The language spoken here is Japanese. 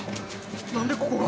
何でここが？